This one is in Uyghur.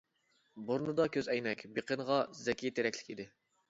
بۇرنىدا كۆز ئەينەك، بىقىنىغا زەكىي تېرەكلىك ئىدى.